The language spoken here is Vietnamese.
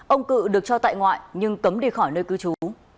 ông cự được cho tại ngoại nhưng cấm đi khỏi nơi cư trú